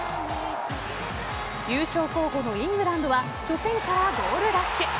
優勝候補のイングランドは初戦からゴールラッシュ。